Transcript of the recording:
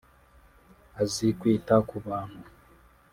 Azi kwita ku bantu